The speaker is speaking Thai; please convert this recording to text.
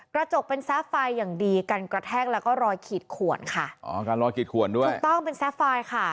กระจกเป็นแซฟไฟล์อย่างดีกันกระแทกแล้วก็รอยขีดขวนค่ะอ๋อกันรอยขีดขวนด้วยถูกต้องเป็นแซฟไฟล์ค่ะ